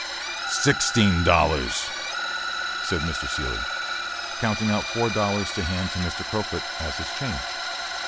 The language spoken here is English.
"Sixteen dollars," said Mr. Seelye, counting out four dollars to hand to Mr. Crofut, as his change.